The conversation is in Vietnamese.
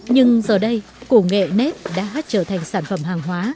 nhưng giờ đây củ nghệ nếp đã trở thành sản phẩm hàng hóa